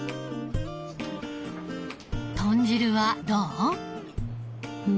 豚汁はどう？